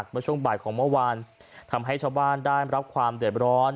เมื่อช่วงบ่ายของเมื่อวานทำให้ชาวบ้านได้รับความเดือดร้อน